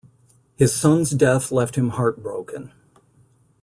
His son's death left him heartbroken.